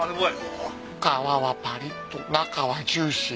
皮はぱりっと中はジューシー。